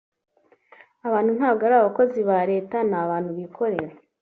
abantu ntabwo ari abakozi ba leta ni abantu bikorera